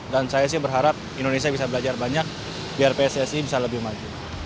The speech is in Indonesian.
dan saya sih berharap indonesia bisa belajar banyak biar pssi bisa lebih maju